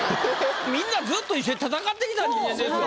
みんなずっと一緒に戦ってきた人間ですから。